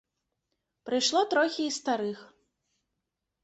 Прыйшло трохі і старых.